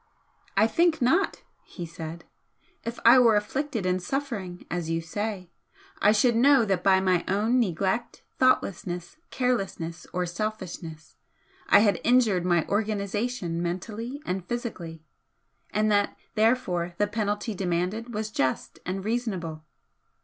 "I think not," he said "If I were afflicted and suffering, as you say, I should know that by my own neglect, thoughtlessness, carelessness or selfishness I had injured my organisation mentally and physically, and that, therefore, the penalty demanded was just and reasonable."